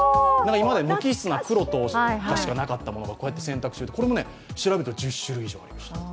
今まで無機質な黒とかしかなかったものがこうやって選択して、これも調べると１０種類以上ありました。